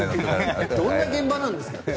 どんな現場なんですか。